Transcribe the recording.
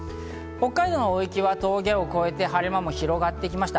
北海道の大雪は峠を越えて晴れ間も広がってきました。